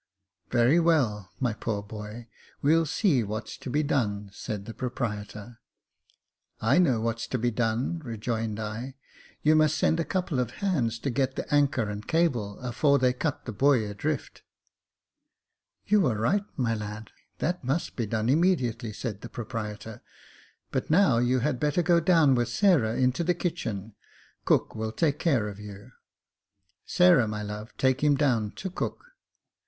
" Very well, my poor boy, we'll see what's to be done," said the proprietor. "I know what's to be done," rejoined I; "you must send a couple of hands to get the anchor and cable, afore they cut the buoy adrift." " You are right, my lad, that must be done immediately," said the proprietor j "but now you had better go down with Sarah into the kitchen 5 cook will take care of you. Sarah, my love, take him down to cook."